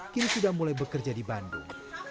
kini sudah mulai bekerja di bandung